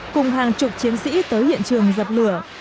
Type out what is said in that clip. cùng hàng chục chiến sĩ tới hiện trường dập lửa